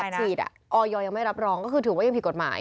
ฉีดออยยังไม่รับรองก็คือถือว่ายังผิดกฎหมาย